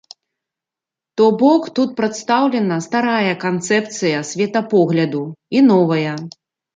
То бок тут прадстаўлена старая канцэпцыя светапогляду і новая.